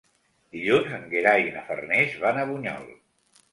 Dilluns en Gerai i na Farners van a Bunyol.